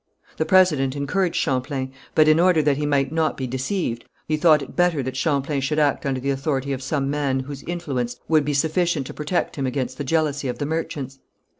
The president encouraged Champlain, but in order that he might not be deceived, he thought it better that Champlain should act under the authority of some man whose influence would be sufficient to protect him against the jealousy of the merchants.